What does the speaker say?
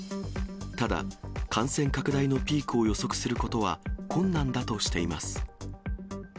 ただ、感染拡大のピークを予測することは困難だとしています。